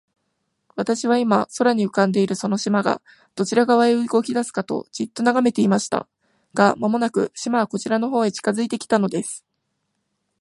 私は、今、空に浮んでいるその島が、どちら側へ動きだすかと、じっと眺めていました。が、間もなく、島はこちらの方へ近づいて来たのです。